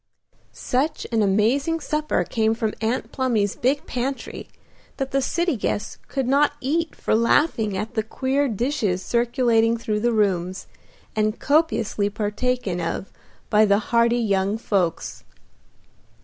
Such an amazing supper came from Aunt Plumy's big pantry that the city guests could not eat for laughing at the queer dishes circulating through the rooms, and copiously partaken of by the hearty young folks.